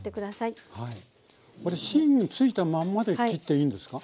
これ芯ついたまんまで切っていいんですか？